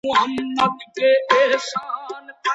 ولي کورني شرکتونه ساختماني مواد له ازبکستان څخه واردوي؟